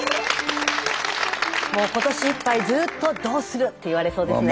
今年いっぱいずっとどうするって言われそうですね。